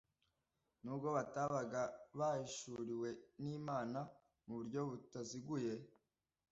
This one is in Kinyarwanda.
nubwo batabaga bahishuriwe n’Imana mu buryo butaziguye